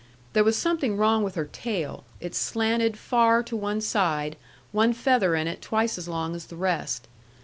There was something wrong with her tail. It slanted far to one side, one feather in it twice as long as the rest.